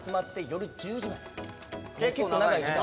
もう結構長い時間。